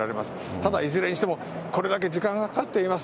ただいずれにしても、これだけ時間がかかっています。